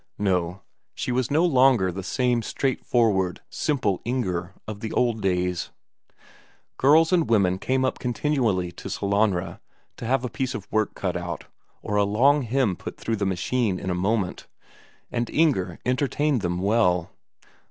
No, she was no longer the same straightforward, simple Inger of the old days. Girls and women came up continually to Sellanraa to have a piece of work cut out, or a long hem put through the machine in a moment, and Inger entertained them well.